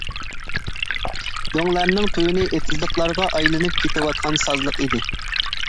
دۆڭلەرنىڭ تۆۋىنى ئېتىزلىقلارغا ئايلىنىپ كېتىۋاتقان سازلىق ئىدى.